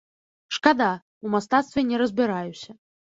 Шкада, у мастацтве не разбіраюся.